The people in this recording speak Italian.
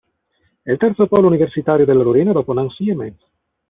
È il terzo polo universitario della Lorena, dopo Nancy e Metz.